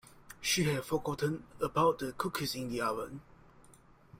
She had forgotten about the cookies in the oven.